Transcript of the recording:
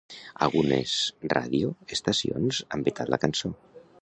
Algunes ràdio estacions han vetat la cançó.